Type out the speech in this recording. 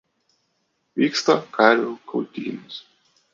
Vyksta karvių kautynės.